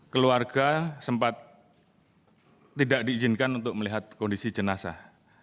keluarga sempat tidak diizinkan untuk melihat kondisi jenazah